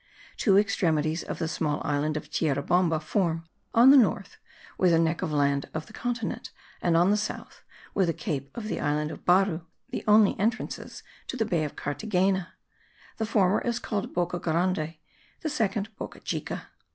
Two extremities of the small island of Tierra Bomba form, on the north, with a neck of land of the continent, and on the south, with a cape of the island of Baru, the only entrances to the Bay of Carthagena; the former is called Boca Grande, the second Boca Chica.